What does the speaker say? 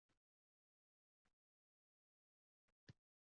Ochiqlikning noaniqligi Har xil